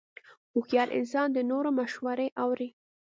هوښیار انسان د نورو مشورې اوري.